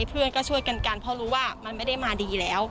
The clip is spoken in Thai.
เพื่อนก็ช่วยกันกันเพราะรู้ว่ามันไม่ได้มาดีแล้ว